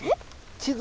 地図？